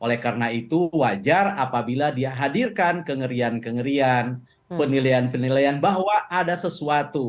oleh karena itu wajar apabila dia hadirkan kengerian kengerian penilaian penilaian bahwa ada sesuatu